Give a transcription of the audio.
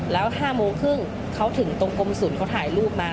แล้ว๕โมงครึ่งเขาถึงตรงกรมศูนย์เขาถ่ายรูปมา